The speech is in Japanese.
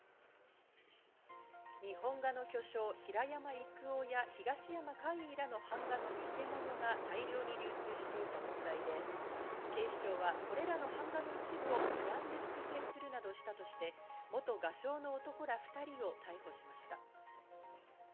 日本画の巨匠・平山郁夫や東山魁夷らの版画の偽物が大量に流通していた問題で警視庁はこれらの版画の一部を無断で複製するなどしたとして、元画商の男ら２人を逮捕しました。